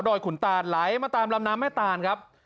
ขุนตานไหลมาตามลำน้ำแม่ตานครับ